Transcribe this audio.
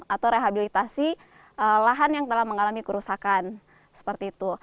atau rehabilitasi lahan yang telah mengalami kerusakan seperti itu